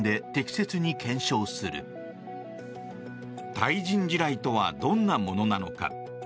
対人地雷とはどんなものなのか。